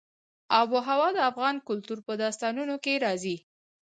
آب وهوا د افغان کلتور په داستانونو کې راځي.